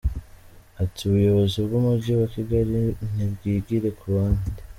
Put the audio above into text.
Ati” Ubuyobozi bw’Umujyi wa Kigali ni bwigire ku bandi.